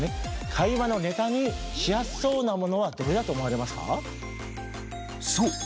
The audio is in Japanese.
会話のネタにしやすそうなものはどれだと思われますか？